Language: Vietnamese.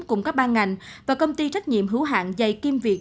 cùng các ban ngành và công ty trách nhiệm hữu hạn dày kiêm việc